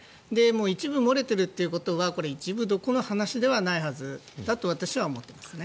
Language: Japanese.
一部漏れているということはこれ一部どころの話ではないはずだと私は思っていますね。